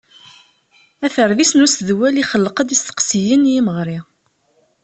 Aferdis n usedwel ixelleq-d isteqsiyen i yimeɣri.